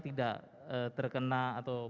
tidak terkena atau